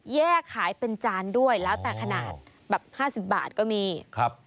แยกขายเป็นจานด้วยแล้วแต่ขนาดแบบห้าสิบบาทก็มีครับ